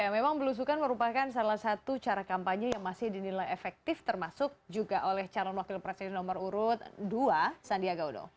memang belusukan merupakan salah satu cara kampanye yang masih dinilai efektif termasuk juga oleh calon wakil presiden nomor urut dua sandiaga uno